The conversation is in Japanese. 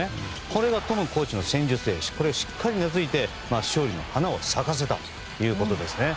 これがトムコーチの戦術でありしっかりうなずいて勝利に花を咲かせたということですね。